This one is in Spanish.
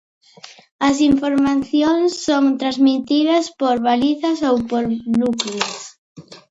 Las informaciones son transmitidas por balizas o por bucles.